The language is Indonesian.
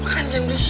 kalian jangan bersih